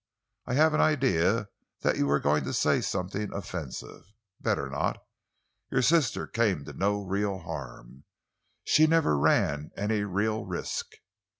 I have an idea that you were going to say something offensive. Better not. Your sister came to no real harm. She never ran any real risk."